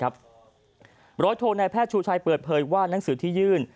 ร้อยโทนายแพทย์ชูชัยเปิดเผยว่านังสือที่ยื่น